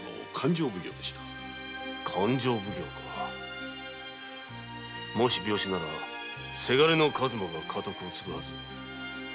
勘定奉行かもし病死なら息子の数馬が家督を継ぐはずだが。